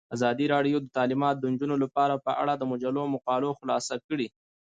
ازادي راډیو د تعلیمات د نجونو لپاره په اړه د مجلو مقالو خلاصه کړې.